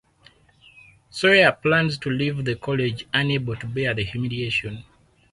Soorya plans to leave the college unable to bear the humiliation.